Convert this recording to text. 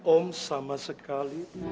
om sama sekali